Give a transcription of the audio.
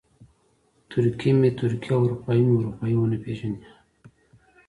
ترکي مې ترکي او اروپایي مې اروپایي ونه پېژني.